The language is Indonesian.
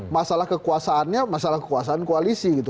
masalah kekuasaannya masalah kekuasaan koalisi gitu